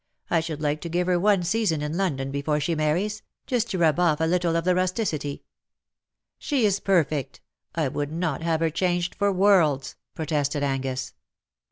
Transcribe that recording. " I should like to give her one season in London before she marries — ^just to rub off a little of the rusticity/'' " She is perfect — I would not have her changed for worlds/^ protested Angus.